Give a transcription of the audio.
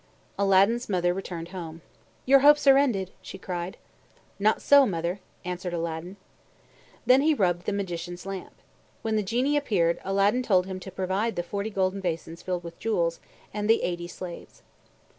Aladdin's mother returned home. "Your hopes are ended," she cried. "Not so, mother," answered Aladdin. Then he rubbed the Magician's lamp. When the Genie appeared, Aladdin told him to provide the forty golden basins filled with jewels, and the eighty slaves.